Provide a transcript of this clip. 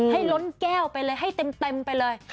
ล้นแก้วไปเลยให้เต็มไปเลย